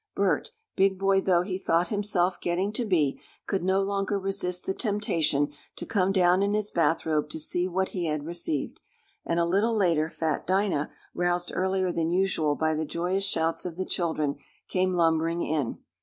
Bert, big boy though he thought himself getting to be, could no longer resist the temptation to come down in his bath robe to see what he had received, and a little later fat Dinah, roused earlier than usual by the joyous shouts of the children, came lumbering in.